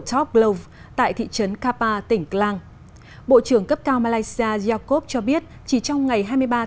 topglove tại thị trấn kapa tỉnh klang bộ trưởng cấp cao malaysia jacob cho biết chỉ trong ngày hai mươi ba một mươi một